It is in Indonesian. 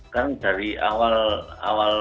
kan dari awal